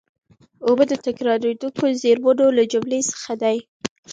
اوبه د تکرارېدونکو زېرمونو له جملې څخه دي.